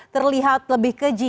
terlihat lebih keji